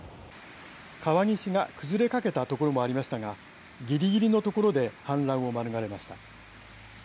川岸が崩れかけた所もありましたがぎりぎりのところで氾濫を免れました。